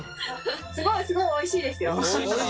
すごいすごいおいしいですよ。